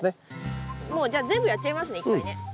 もうじゃあ全部やっちゃいますね一回ね。